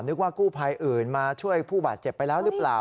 ว่ากู้ภัยอื่นมาช่วยผู้บาดเจ็บไปแล้วหรือเปล่า